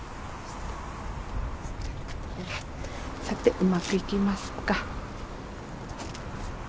さてうまくいきますか？